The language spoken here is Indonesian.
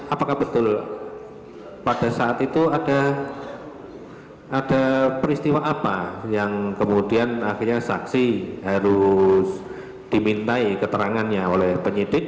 apakah betul pada saat itu ada peristiwa apa yang kemudian akhirnya saksi harus dimintai keterangannya oleh penyidik